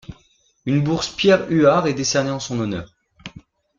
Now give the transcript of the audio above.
Une Bourse Pierre Huard est décernée en son honneur.